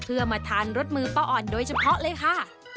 เพื่อมาทานรสมือป้าอ่อนโดยเฉพาะเลยค่ะ